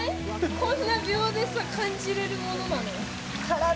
こんな秒で感じられるものなの？